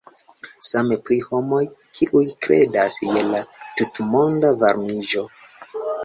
Same pri homoj, kiuj kredas je la tutmonda varmiĝo.